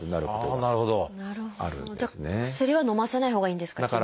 じゃあ薬はのませないほうがいいんですか？